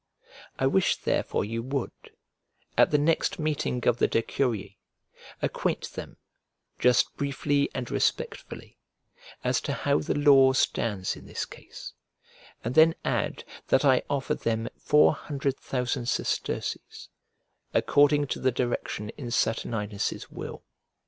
I wish therefore you would, at the next meeting of the Decurii, acquaint them, just briefly and respectfully, as to how the law stands in this case, and then add that I offer them four hundred thousand sesterces according to the direction in Saturninus' will.